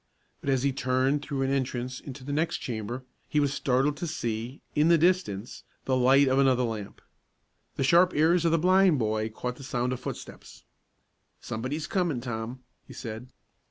But, as he turned through an entrance into the next chamber, he was startled to see, in the distance, the light of another lamp. The sharp ears of the blind boy caught the sound of footsteps. "Somebody's comin', Tom," he said.